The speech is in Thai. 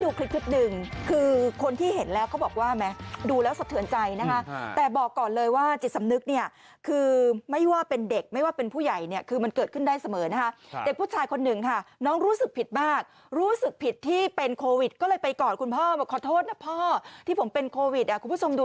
คลิปคลิปหนึ่งคือคนที่เห็นแล้วเขาบอกว่าแม้ดูแล้วสะเทือนใจนะคะแต่บอกก่อนเลยว่าจิตสำนึกเนี่ยคือไม่ว่าเป็นเด็กไม่ว่าเป็นผู้ใหญ่เนี่ยคือมันเกิดขึ้นได้เสมอนะคะเด็กผู้ชายคนหนึ่งค่ะน้องรู้สึกผิดมากรู้สึกผิดที่เป็นโควิดก็เลยไปกอดคุณพ่อบอกขอโทษนะพ่อที่ผมเป็นโควิดอ่ะคุณผู้ชมดู